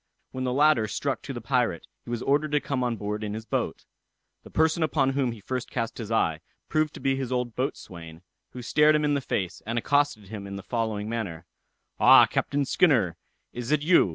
When the latter struck to the pirate, he was ordered to come on board in his boat. The person upon whom he first cast his eye, proved to be his old boatswain, who stared him in the face, and accosted him in the following manner: "Ah, Captain Skinner, is it you?